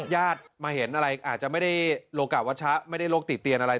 ญาติมาเห็นอะไรอาจจะไม่ได้โลกะวัชชะไม่ได้โรคติเตียนอะไร